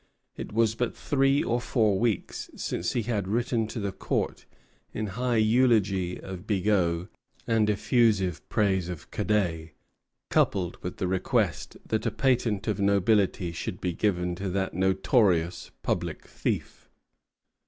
It was but three or four weeks since he had written to the Court in high eulogy of Bigot and effusive praise of Cadet, coupled with the request that a patent of nobility should be given to that notorious public thief.